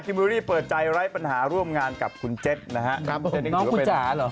คิมวิวรี่เปิดใจไร้ปัญหาร่วมงานกับคุณเจ็ดนะฮะ